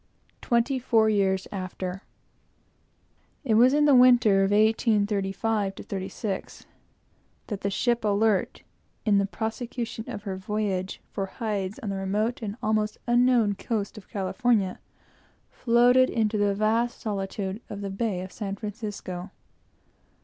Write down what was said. TWENTY FOUR YEARS AFTER It was in the winter of 1835 6 that the ship Alert, in the prosecution of her voyage for hides on the remote and almost unknown coast of California, floated into the vast solitude of the Bay of San Francisco.